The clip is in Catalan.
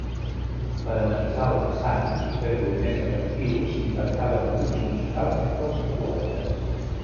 Per amenitzar el passant i fer-lo més atractiu s'intercalen grups musicals entre els carruatges.